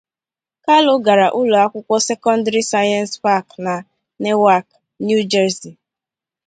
Kalu gara ụlọ akwụkwọ sekọndrị Science Park na Newark, New Jersey.